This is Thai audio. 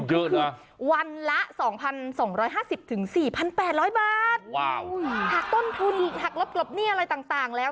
คือคือวันละ๒๒๕๐๔๘๐๐บาทถักต้นทุนถักรบเนี่ยอะไรต่างแล้ว